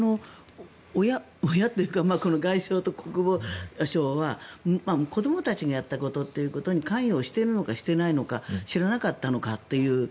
親というかこの外相と国防相は子どもたちがやったことということに関与しているのかしていないのか知らなかったのかという。